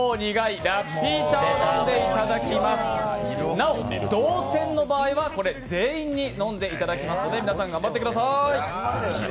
なお、同点の場合は全員に飲んでいただきますので皆さん頑張ってください。